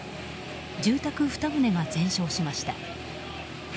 住宅２棟が全焼しました。